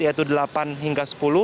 yaitu delapan hingga sepuluh